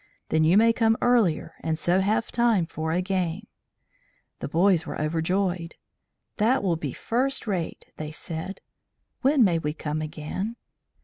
Then you may come earlier and so have time for a game." The boys were overjoyed. "That will be first rate," they said. "When may we come again?"